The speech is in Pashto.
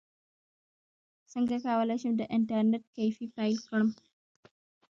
څنګه کولی شم د انټرنیټ کیفې پیل کړم